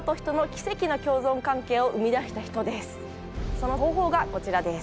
その方法がこちらです。